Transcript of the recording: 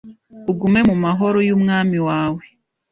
ugume mu mahoro y’ Umwami wawe